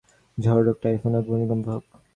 ঝড় হোক, টাইফুন হোক, ভূমিকম্প হোক।